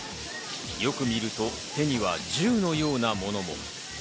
よく見ると手には銃のようなものも。